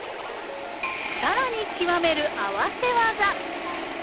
更に極める合わせ技！